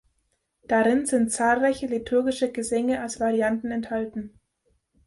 Darin sind zahlreiche liturgische Gesänge als Varianten enthalten.